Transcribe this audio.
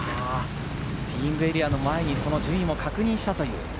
ティーイングエリアの前に順位も確認したという。